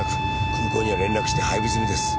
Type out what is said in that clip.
空港には連絡して配備済みです。